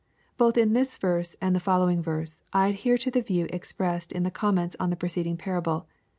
Both in this verse, and the following verse, I adhere to the view expressed in the comments on the preceding parable.